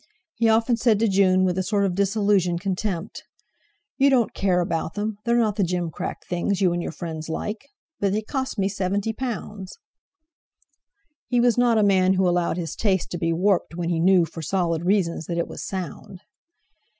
He often said to June, with a sort of disillusioned contempt: "You don't care about them! They're not the gimcrack things you and your friends like, but they cost me seventy pounds!" He was not a man who allowed his taste to be warped when he knew for solid reasons that it was sound.